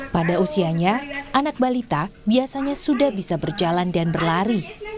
pada usianya anak balita biasanya sudah bisa berjalan dan berlari